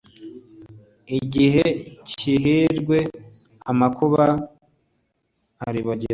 igihe cy'ihirwe, amakuba aribagirana